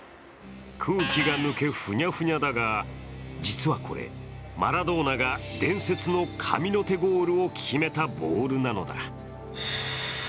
空気が抜け、ふにゃふにゃだが、実はこれ、マラドーナが伝説の神の手ゴールを決めたボールなのだ。